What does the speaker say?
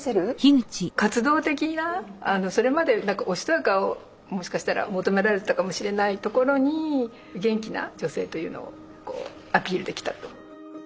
活動的なそれまでおしとやかをもしかしたら求められてたかもしれないところに元気な女性というのをアピールできたと。